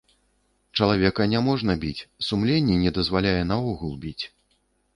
Чалавека няможна біць, сумленне не дазваляе наогул біць.